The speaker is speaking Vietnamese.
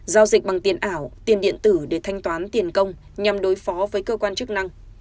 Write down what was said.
giao dịch bằng tiền ảo tiền điện tử để thanh toán tiền công nhằm đối phó với cơ quan chức năng